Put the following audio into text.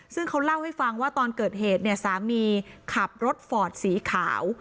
ซึ่งเขาเล่าให้ฟังว่าตอนเกิดเหตุเนี่ยสามีขับรถฟอร์ดสีขาว